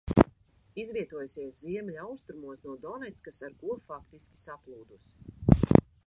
Izvietojusies ziemeļaustrumos no Doneckas, ar ko faktiski saplūdusi.